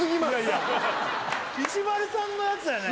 石丸さんのやつだよね